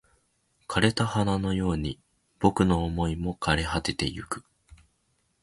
枯れた花のように僕の想いも枯れ果ててゆく